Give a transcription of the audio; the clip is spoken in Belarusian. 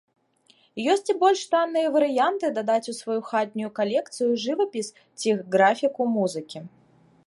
Ёсць і больш танныя варыянты дадаць у сваю хатнюю калекцыю жывапіс ці графіку музыкі.